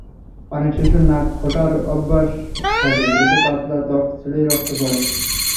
অনেক শিশুর নাক খোঁটার অভ্যাস থাকে, এতে পাতলা ত্বক ছিঁড়ে রক্ত পড়ে।